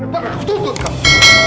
pak aku tuntut kamu